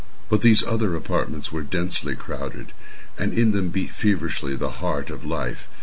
But these other apartments were densely crowded, and in them beat feverishly the heart of life.